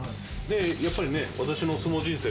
やっぱりね私の相撲人生